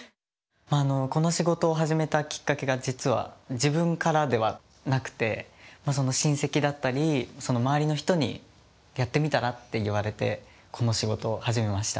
あのこの仕事を始めたきっかけが実は自分からではなくて親戚だったりその周りの人にやってみたらって言われてこの仕事を始めました。